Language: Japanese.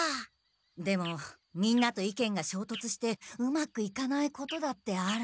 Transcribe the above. でもみんなと意見がしょうとつしてうまくいかないことだってある。